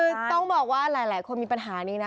คือต้องบอกว่าหลายคนมีปัญหานี้นะ